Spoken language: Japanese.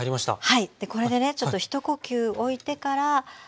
はい。